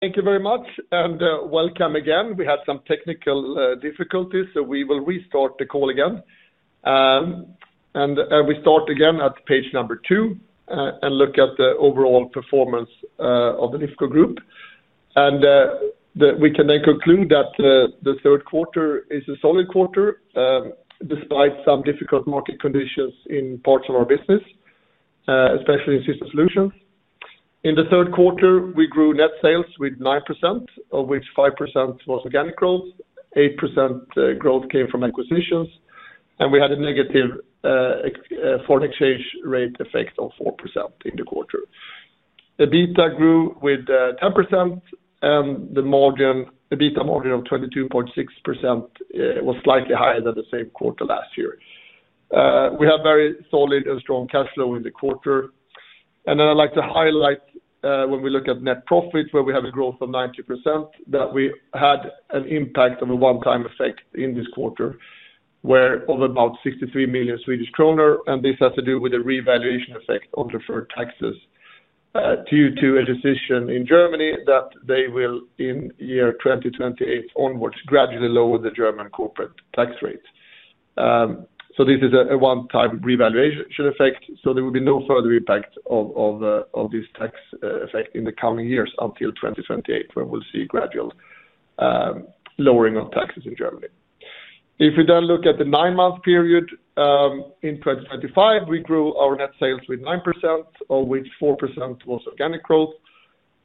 Thank you very much, and welcome again. We had some technical difficulties, so we will restart the call again. We start again at page number two and look at the overall performance of the Lifco Group. We can then conclude that the third quarter is a solid quarter, despite some difficult market conditions in parts of our business, especially in System Solutions. In the third quarter, we grew net sales with 9%, of which 5% was organic growth, 8% growth came from acquisitions, and we had a negative foreign exchange rate effect of 4% in the quarter. EBITDA grew with 10%, and the EBITDA margin of 22.6% was slightly higher than the same quarter last year. We have very solid and strong cash flow in the quarter. I would like to highlight, when we look at net profit, where we have a growth of 90%, that we had an impact of a one-time effect in this quarter, of about 63 million Swedish kronor, and this has to do with the revaluation effect on deferred taxes due to a decision in Germany that they will, in year 2028 onwards, gradually lower the German corporate tax rate. This is a one-time revaluation effect, so there will be no further impact of this tax effect in the coming years until 2028, where we will see gradual lowering of taxes in Germany. If we then look at the nine-month period, in 2025, we grew our net sales with 9%, of which 4% was organic growth.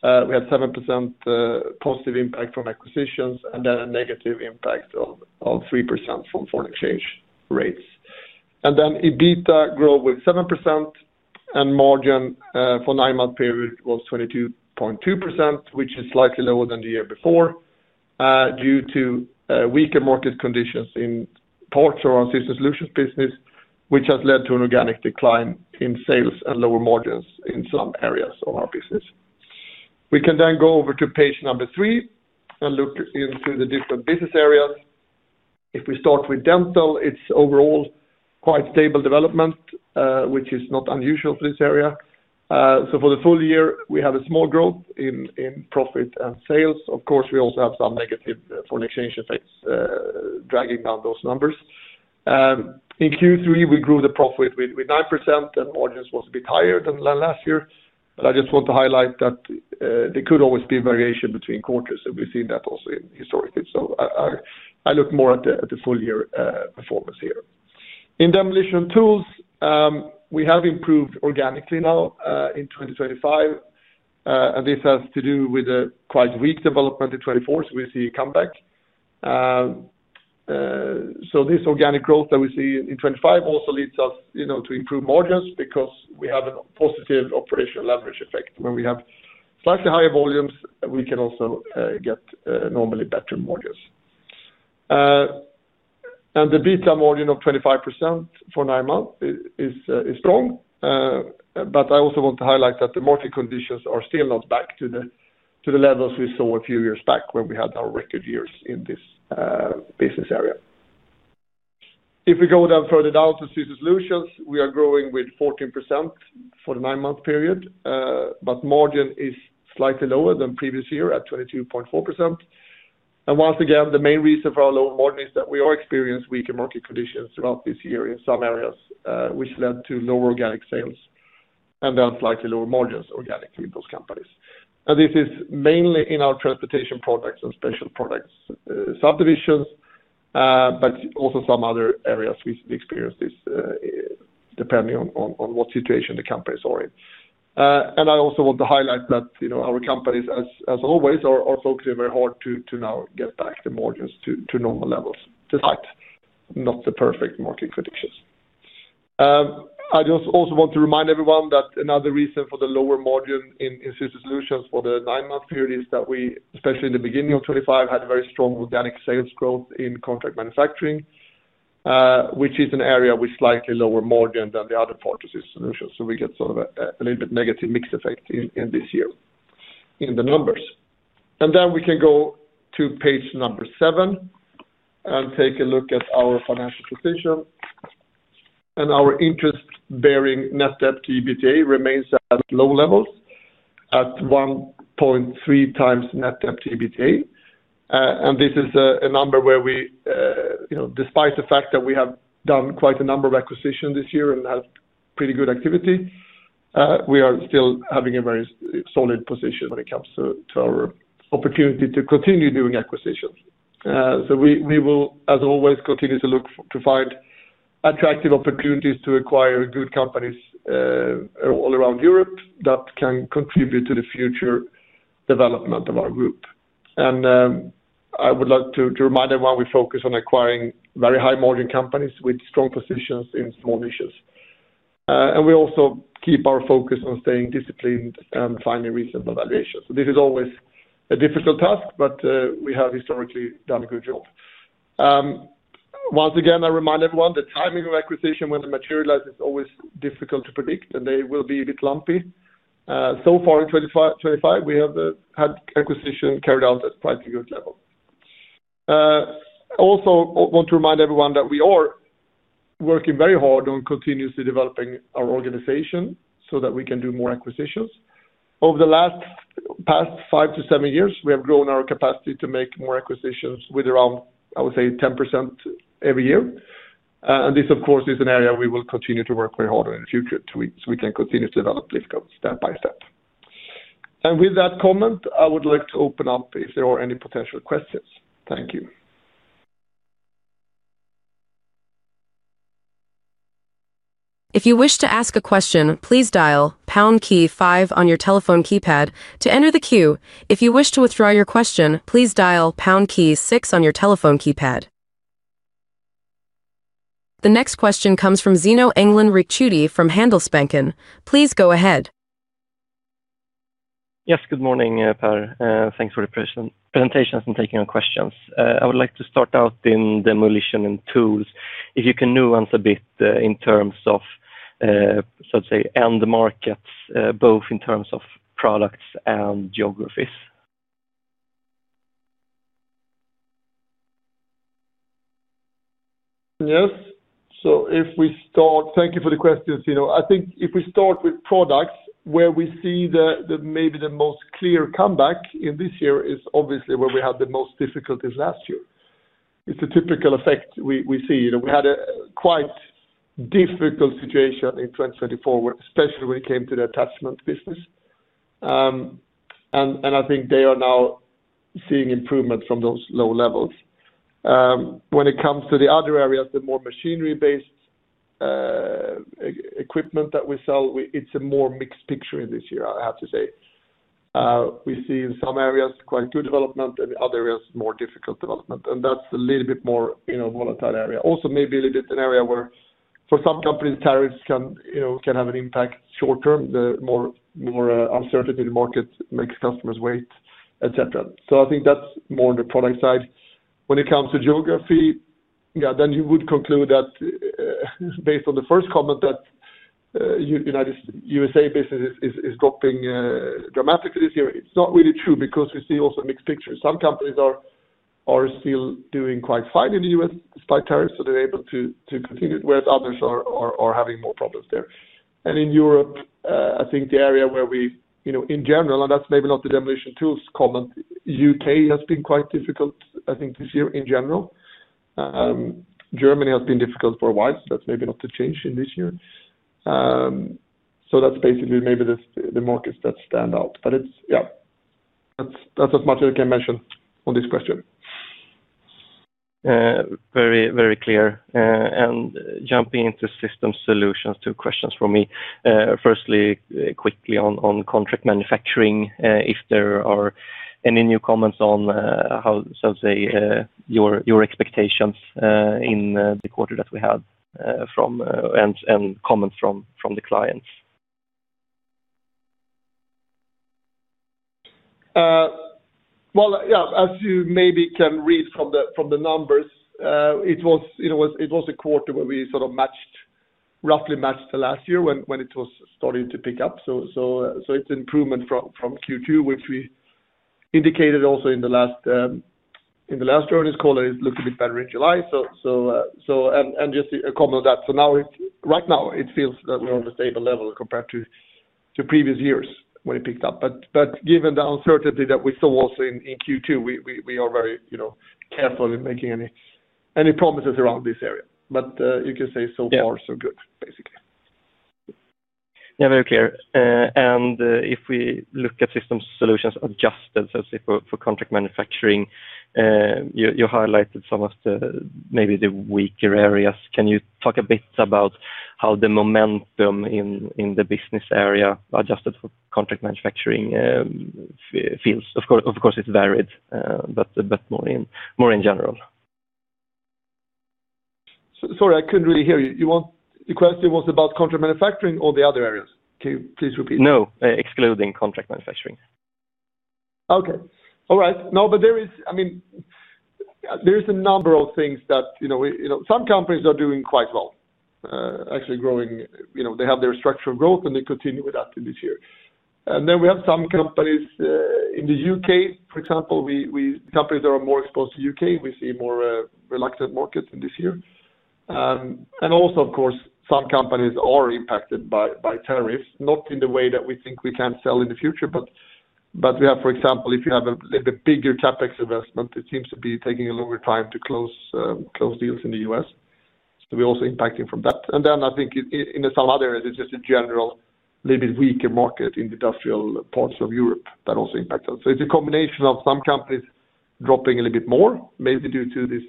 We had 7% positive impact from acquisitions, and then a negative impact of 3% from foreign exchange rates. EBITDA grew with 7%, and margin for the nine-month period was 22.2%, which is slightly lower than the year before, due to weaker market conditions in parts of our System Solutions business, which has led to an organic decline in sales and lower margins in some areas of our business. We can then go over to page number three and look into the different business areas. If we start with Dental, it's overall quite stable development, which is not unusual for this area. For the full year, we had a small growth in profit and sales. Of course, we also had some negative foreign exchange effects dragging down those numbers. In Q3, we grew the profit with 9%, and margins were a bit higher than last year. I just want to highlight that there could always be variation between quarters, and we've seen that also historically. I look more at the full-year performance here. In Demolition Tools, we have improved organically now in 2025, and this has to do with a quite weak development in 2024, so we see a comeback. This organic growth that we see in 2025 also leads us to improve margins because we have a positive operational leverage effect. When we have slightly higher volumes, we can also get normally better margins. The EBITDA margin of 25% for nine months is strong, but I also want to highlight that the market conditions are still not back to the levels we saw a few years back when we had our record years in this business area. If we go further down to System Solutions, we are growing with 14% for the nine-month period, but margin is slightly lower than previous year at 22.4%. Once again, the main reason for our lower margin is that we are experiencing weaker market conditions throughout this year in some areas, which led to lower organic sales and then slightly lower margins organically in those companies. This is mainly in our Transportation Products and Special Products subdivisions, but also some other areas we experience this depending on what situation the companies are in. I also want to highlight that our companies, as always, are focusing very hard to now get back the margins to normal levels, despite not the perfect market conditions. I just also want to remind everyone that another reason for the lower margin in System Solutions for the nine-month period is that we, especially in the beginning of 2025, had a very strong organic sales growth in contract manufacturing, which is an area with slightly lower margin than the other parts of System Solutions. We get sort of a little bit negative mix effect in this year in the numbers. We can go to page number seven and take a look at our financial position. Our interest-bearing net debt to EBITDA remains at low levels, at 1.3x net debt to EBITDA. This is a number where we, despite the fact that we have done quite a number of acquisitions this year and had pretty good activity, are still having a very solid position when it comes to our opportunity to continue doing acquisitions. We will, as always, continue to look to find attractive opportunities to acquire good companies all around Europe that can contribute to the future development of our group. I would like to remind everyone, we focus on acquiring very high-margin companies with strong positions in small niches. We also keep our focus on staying disciplined and finding reasonable valuations. This is always a difficult task, but we have historically done a good job. Once again, I remind everyone, the timing of acquisition when it materializes is always difficult to predict, and they will be a bit lumpy. So far, in 2025, we have had acquisitions carried out at pricing good levels. I also want to remind everyone that we are working very hard on continuously developing our organization so that we can do more acquisitions. Over the past five to seven years, we have grown our capacity to make more acquisitions with around, I would say, 10% every year. This, of course, is an area we will continue to work very hard on in the future so we can continue to develop Lifco step by step. With that comment, I would like to open up if there are any potential questions. Thank you. If you wish to ask a question, please dial pound key five on your telephone keypad to enter the queue. If you wish to withdraw your question, please dial pound key six on your telephone keypad. The next question comes from Zino Engdalen Ricciuti from Handelsbanken. Please go ahead. Yes, good morning, Per. Thanks for the presentation and taking your questions. I would like to start out in Demolition Tools. If you can nuance a bit in terms of, so to say, end markets, both in terms of products and geographies. Yes. If we start, thank you for the questions, Zino. I think if we start with products, where we see maybe the most clear comeback in this year is obviously where we had the most difficulties last year. It's a typical effect we see. We had a quite difficult situation in 2024, especially when it came to the attachment business. I think they are now seeing improvement from those low levels. When it comes to the other areas, the more machinery-based equipment that we sell, it's a more mixed picture in this year, I have to say. We see in some areas quite good development and other areas more difficult development. That's a little bit more volatile area. Also, maybe a little bit an area where for some companies, tariffs can have an impact short term. The more uncertainty in the market makes customers wait, etc. I think that's more on the product side. When it comes to geography, you would conclude that based on the first comment that the U.S. business is dropping dramatically this year, it's not really true because we see also a mixed picture. Some companies are still doing quite fine in the U.S. despite tariffs, so they're able to continue, whereas others are having more problems there. In Europe, I think the area where we, in general, and that's maybe not the Demolition Tools comment, the U.K. has been quite difficult, I think, this year in general. Germany has been difficult for a while, so that's maybe not the change in this year. That's basically maybe the markets that stand out. That's as much as I can mention on this question. Very, very clear. Jumping into System Solutions, two questions for me. Firstly, quickly on contract manufacturing, if there are any new comments on how, so to say, your expectations in the quarter that we had from and comments from the clients. As you maybe can read from the numbers, it was a quarter where we sort of roughly matched the last year when it was starting to pick up. It's an improvement from Q2, which we indicated also in the last journey's call. It looked a bit better in July. Just a comment on that. Right now, it feels that we're on a stable level compared to previous years when it picked up. Given the uncertainty that we saw also in Q2, we are very careful in making any promises around this area. You can say so far, so good, basically. Yeah, very clear. If we look at System Solutions adjusted, so to say, for contract manufacturing, you highlighted some of maybe the weaker areas. Can you talk a bit about how the momentum in the business area adjusted for contract manufacturing feels? Of course, it's varied, but more in general. Sorry, I couldn't really hear you. The question was about contract manufacturing or the other areas. Can you please repeat? No, excluding contract manufacturing. All right. There is a number of things that some companies are doing quite well, actually growing. They have their structural growth, and they continue with that in this year. We have some companies in the U.K., for example, companies that are more exposed to the U.K.. We see more reluctant markets in this year. Also, of course, some companies are impacted by tariffs, not in the way that we think we can sell in the future, but we have, for example, if you have a little bit bigger CapEx investment, it seems to be taking a longer time to close deals in the U.S. We're also impacting from that. I think in some other areas, it's just a general, a little bit weaker market in the industrial parts of Europe that also impacts us. It's a combination of some companies dropping a little bit more, maybe due to this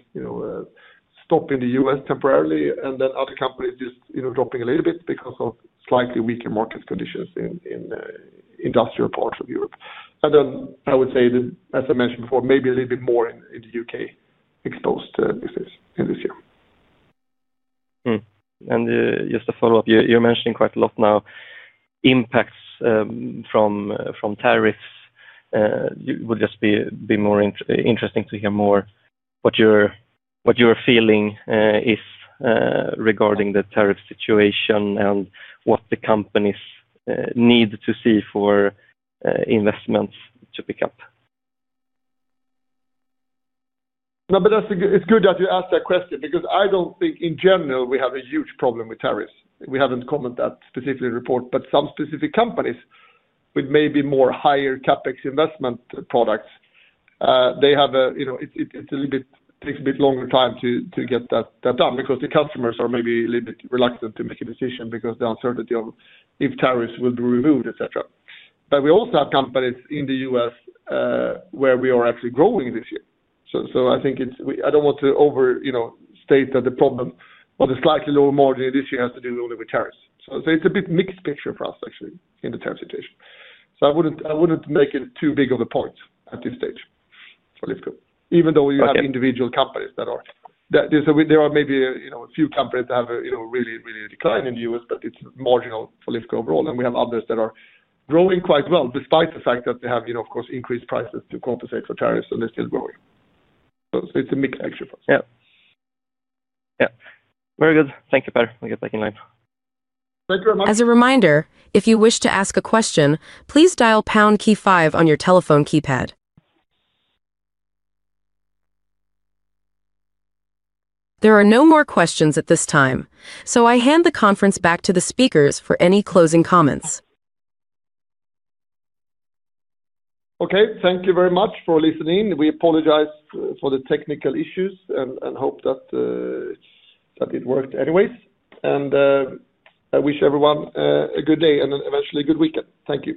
stopping the U.S. temporarily, and other companies just dropping a little bit because of slightly weaker market conditions in industrial parts of Europe. I would say, as I mentioned before, maybe a little bit more in the U.K. exposed in this year. Just to follow up, you're mentioning quite a lot now impacts from tariffs. It would just be more interesting to hear more what your feeling is regarding the tariff situation and what the companies need to see for investments to pick up. No, but it's good that you asked that question because I don't think, in general, we have a huge problem with tariffs. We haven't commented that specifically in the report, but some specific companies with maybe more higher CapEx investment products, they have a, you know, it takes a bit longer time to get that done because the customers are maybe a little bit reluctant to make a decision because of the uncertainty of if tariffs will be removed, etc. We also have companies in the U.S. where we are actually growing this year. I think it's, I don't want to overstate that the problem of the slightly lower margin in this year has to do only with tariffs. It's a bit mixed picture for us, actually, in the tariff situation. I wouldn't make it too big of a point at this stage for Lifco, even though you have individual companies that are, there are maybe a few companies that have a really, really decline in the U.S., but it's marginal for Lifco overall. We have others that are growing quite well despite the fact that they have, of course, increased prices to compensate for tariffs, and they're still growing. It's a mixed picture for us. Yeah. Very good. Thank you, Per. We'll get back in line. Thank you very much. As a reminder, if you wish to ask a question, please dial the pound key five on your telephone keypad. There are no more questions at this time, so I hand the conference back to the speakers for any closing comments. Thank you very much for listening. We apologize for the technical issues and hope that it worked anyways. I wish everyone a good day and eventually a good weekend. Thank you.